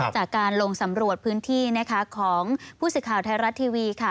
จากการลงสำรวจพื้นที่ของผู้สิทธิ์ข่าวไทยรัตน์ทีวี